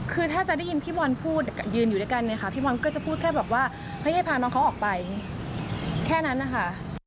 คือถ้าจะได้ยินพี่บอลพูดยืนอยู่ด้วยกันเนี่ยค่ะพี่บอลก็จะพูดแค่แบบว่าเฮ้ยให้พาน้องเขาออกไปแค่นั้นนะคะ